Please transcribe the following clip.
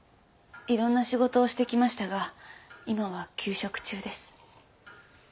いろんな仕事をしてきましたが今は休職中です。